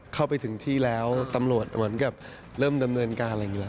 เข้าไปถึงที่แล้วตำรวจเหมือนกับเริ่มดำเนินการอะไรอย่างนี้